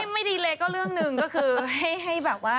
ไม่ดีเลยก็เรื่องหนึ่งก็คือให้แบบว่า